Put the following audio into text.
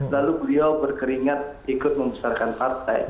lalu beliau berkeringat ikut membesarkan partai